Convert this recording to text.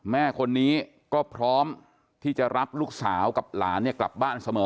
แม่คนนี้ก็พร้อมที่จะรับลูกสาวกับหลานเนี่ยกลับบ้านเสมอ